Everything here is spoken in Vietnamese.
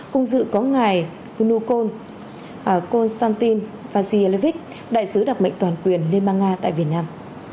cùng dự có ngài konstantin vasilevich đại sứ đặc mệnh toàn quyền liên bang nga tại việt nam